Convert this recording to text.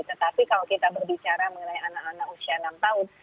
tetapi kalau kita berbicara mengenai anak anak usia enam tahun